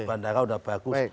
bandara sudah bagus